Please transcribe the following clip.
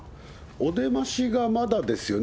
お出ましがまだですよね。